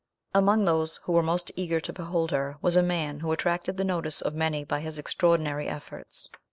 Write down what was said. Among those who were most eager to behold her, was a man who attracted the notice of many by his extraordinary efforts.